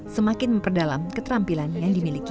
semakin memperdalam keterampilan yang dimiliki